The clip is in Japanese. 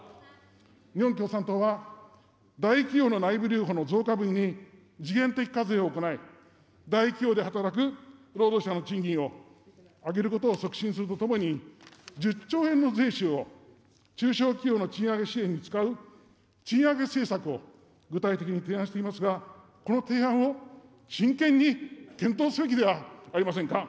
日本共産党は、大企業の内部留保の増加分に時限的課税を行い、大企業で働く労働者の賃金を上げることを促進するとともに、１０兆円の税収を中小企業の賃上げ支援に使う賃上げ政策を具体的に提案していますが、この提案を真剣に検討すべきではありませんか。